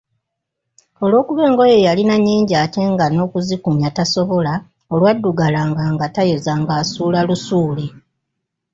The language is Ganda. Olwokuba engoye yalina nyingi ate nga n'okuzikunya tasobola olwaddugalanga nga tayoza era ng'asuula lusuule.